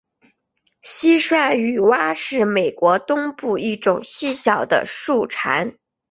蟋蟀雨蛙是美国东南部一种细小的树蟾。